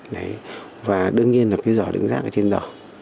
đấy và đương nhiên là cái giỏ đứng dạng ở trên giỏ